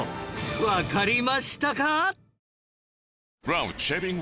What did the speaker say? わかりましたか？